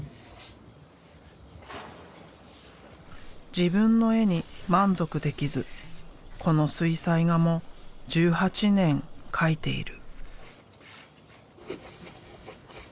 自分の絵に満足できずこの水彩画も１８年描いている。